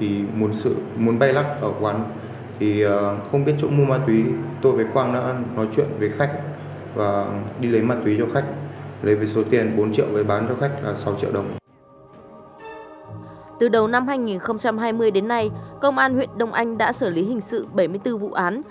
từ đầu năm hai nghìn hai mươi đến nay công an huyện đông anh đã xử lý hình sự bảy mươi bốn vụ án